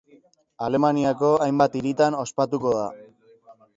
Alemaniako hainbat hiritan ospatuko da.